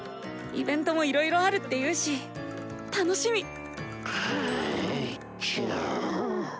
イベントもいろいろあるっていうし楽しみ！